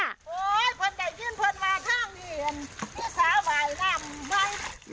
โอ๊ยคนเด็กริ้นคนมาท่องหินที่สาวไหวน่ำไว้